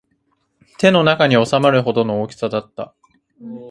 手の中に収まるほどの大きさだった